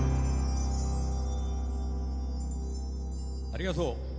ありがとう。